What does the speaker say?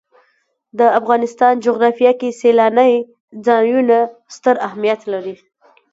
د افغانستان جغرافیه کې سیلانی ځایونه ستر اهمیت لري.